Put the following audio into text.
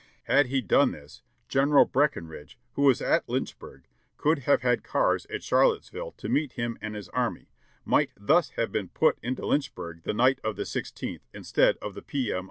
"Had he done this. General Breckenridge, who was at Lynchburg, could have had cars at Charlottesville to meet him and his army might thus have been put into Lynchburg the night of the i6th in stead of the p. m.